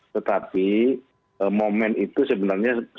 tetapi momen itu sebenarnya sebagian dari proses